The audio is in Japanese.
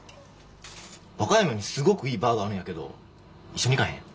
和歌山にすごくいいバーがあるんやけど一緒に行かへん？